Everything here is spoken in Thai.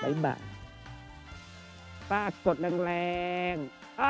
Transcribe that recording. บ๊ายบายป้าสดแรงแรง